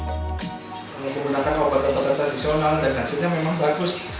kalau menggunakan obat obat tradisional dan hasilnya memang bagus